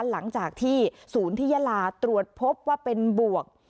หลังจากที่ศูนย์ที่ยาลาตรวจพบว่าเป็นบวก